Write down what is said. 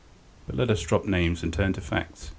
But let us drop names and turn to facts.